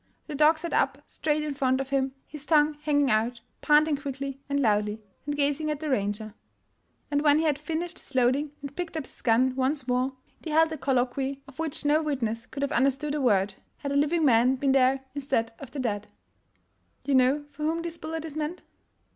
The dog sat up straight in front of him, his tongue hanging out, panting quickly and loudly, and gazing at the ranger. And when he had finished his loading and picked up his gun once more, they held a colloquy of which no witness could have understood a word, had a living man been there instead of the dead. KRAMBAMBULI 427 " You know for whom this bullet is meant?